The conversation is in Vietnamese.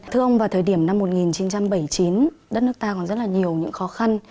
thưa ông vào thời điểm năm một nghìn chín trăm bảy mươi chín đất nước ta còn rất là nhiều những khó khăn